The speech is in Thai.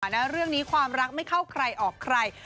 นะเรื่องนี้ความรักไม่เข้าใครออกใคร